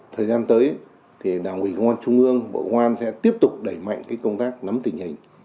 thời gian tới thì đảng ủy công an trung ương bộ công an sẽ tiếp tục đẩy mạnh công tác nắm tình hình